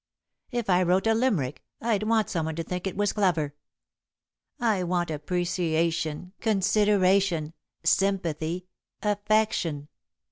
If I wrote a limerick, I'd want someone to think it was clever. I want appreciation, consideration, sympathy, affection!